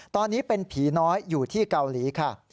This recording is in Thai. ตอนนี้เป็นผีน้อยอยู่ที่เกาหลีค่ะ